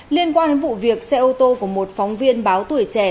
liên quan đến vụ việc xe ô tô của một phóng viên báo tuổi trẻ